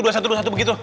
dua satu dua satu begitu